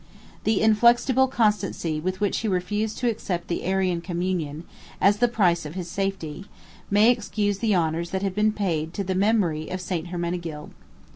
The inflexible constancy with which he refused to accept the Arian communion, as the price of his safety, may excuse the honors that have been paid to the memory of St. Hermenegild.